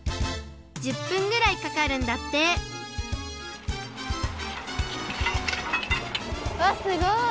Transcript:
１０分ぐらいかかるんだってわっすごい！